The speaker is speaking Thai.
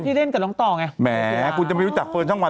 ที่เล่นกับล้องตอบไงแหมกูจะไปวิจัยเฟิร์นช่องวัน